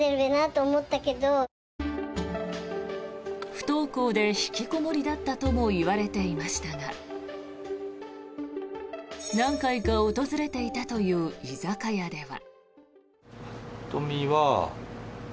不登校で引きこもりだったともいわれていましたが何回か訪れていたという居酒屋では。